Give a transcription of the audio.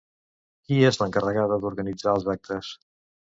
Qui és l'encarregada d'organitzar els actes?